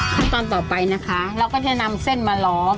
ขั้นตอนต่อไปนะคะเราก็จะนำเส้นมาล้อม